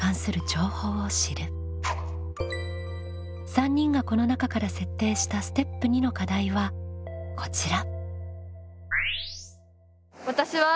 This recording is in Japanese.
３人がこの中から設定したステップ２の課題はこちら。